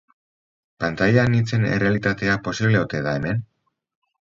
Pantaila anitzen errealitatea posible ote da hemen?